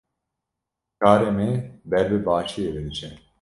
Karê me ber bi başiyê ve diçe.